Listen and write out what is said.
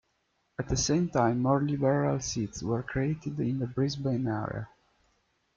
At the same time, more Liberal seats were created in the Brisbane area.